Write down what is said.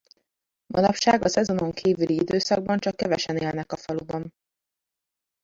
Manapság a szezonon kívüli időszakban csak kevesen élnek a faluban.